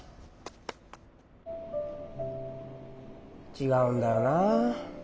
ちがうんだよな。